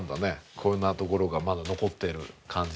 こんなところがまだ残ってる感じですけども。